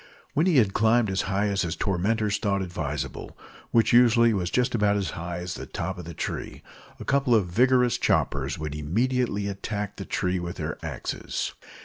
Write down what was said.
When he had climbed as high as his tormentors thought advisable which usually was just as high as the top of the tree a couple of vigorous choppers would immediately attack the tree with their axes.